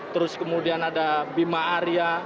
terus kemudian ada bima arya